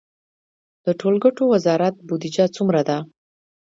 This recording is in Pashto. د ټولګټو وزارت بودیجه څومره ده؟